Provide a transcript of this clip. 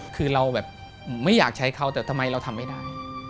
คือเราแบบไม่อยากใช้เขาแต่ทำไมเราทำไม่ได้